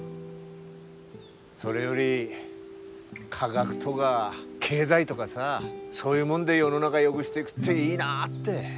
それより科学とか経済とかさそういうもんで世の中よぐしていぐっていいなって。